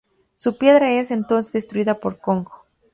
Su piedra es, entonces destruida por Kong.